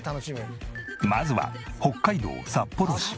まずは北海道札幌市。